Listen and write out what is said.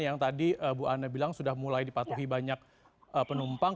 yang tadi bu ana bilang sudah mulai dipatuhi banyak penumpang